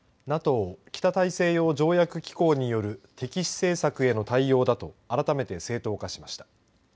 北大西洋条約機構による敵視政策への対応だと改めて正当化しました。